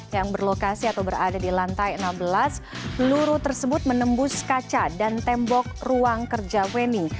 yang berlokasi atau berada di lantai enam belas peluru tersebut menembus kaca dan tembok ruang kerja weni